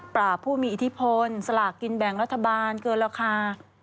ผู้มีอิทธิพลสลากกินแบ่งรัฐบาลเกินราคา